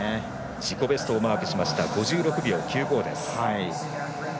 自己ベストをマークしました５６秒９５です。